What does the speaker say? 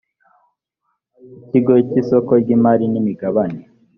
ikigo cy isoko ry imari n imigabane